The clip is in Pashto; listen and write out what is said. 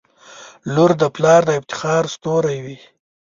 • لور د پلار د افتخار ستوری وي.